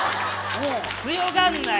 強がんなや。